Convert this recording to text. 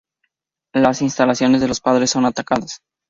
Las instalaciones de los padres son atacadas.